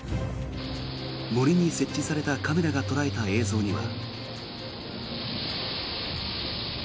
森に設置されたカメラが捉えた映像には。